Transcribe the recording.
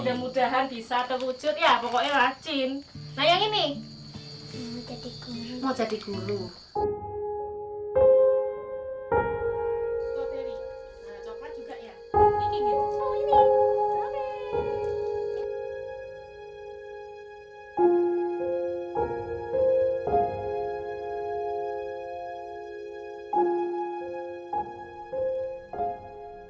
amin ya pak